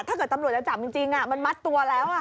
ถ้าเกิดตำรวจจะจับจริงมันมัดตัวแล้ว